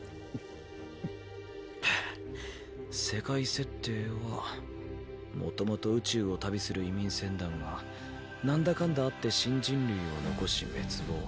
世界設定は「もともと宇宙を旅する移民船団がなんだかんだあって新人類を残し滅亡。